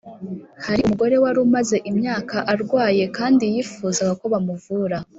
Hari umugore wari umaze imyaka arwaye kandi yifuzaga ko bamuvura